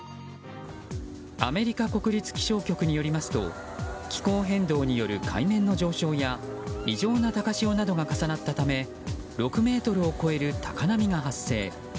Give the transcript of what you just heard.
アメリカ国立気象局によりますと気候変動による海面の上昇や異常な高潮などが重なったため６ｍを超える高波が発生。